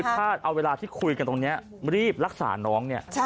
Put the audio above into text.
ถ้าเอาเวลาที่คุยกันตรงนี้รีบรักษาน้องเนี่ย